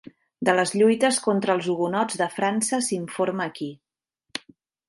De les lluites contra els hugonots de França s"informa aquí.